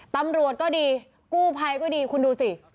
ตำรวจก็ดีกู้ภัยก็ดีคุณดูสิ